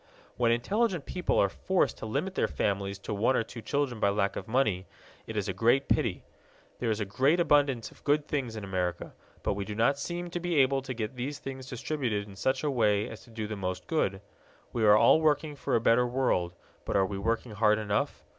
When intelligent people are forced to limit their families to one or two children by lack of money, it is a great pity. There is a great abundance of good things in America, but we do not seem to be able to get these things distributed in such a way as to do the most good. We are all working for a better world, but are we working hard enough?